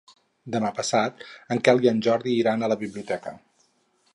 Demà passat en Quel i en Jordi iran a la biblioteca.